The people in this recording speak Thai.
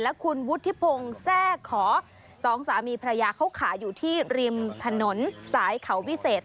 และคุณวุฒิพงศ์แทรกขอสองสามีภรรยาเขาขายอยู่ที่ริมถนนสายเขาวิเศษ